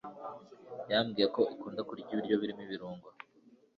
yambwiye ko ukunda kurya ibiryo birimo ibirungo